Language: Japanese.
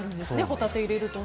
ホタテを入れると。